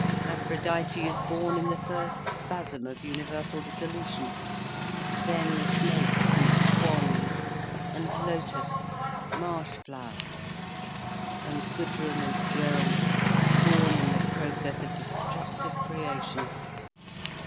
Aphrodite is born in the first spasm of universal dissolution—then the snakes and swans and lotus—marsh flowers—and Gudrun and Gerald—born in the process of destructive creation."